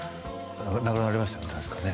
亡くなられましたよね確かね。